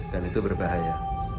dan itu berbahaya